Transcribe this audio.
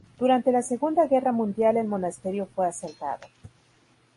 Durante la Segunda Guerra Mundial el monasterio fue asaltado.